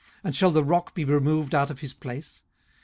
and shall the rock be removed out of his place?